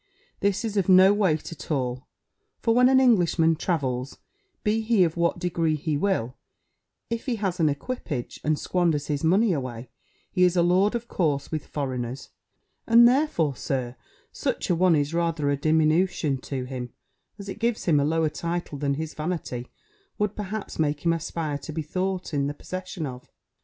"this is of no weight at all; for when an Englishman travels, be he of what degree he will, if he has an equipage, and squanders his money away, he is a lord of course with foreigners: and therefore Sir Such a one is rather a diminution to him, as it gives him a lower title than his vanity would perhaps make him aspire to be thought in the possession of.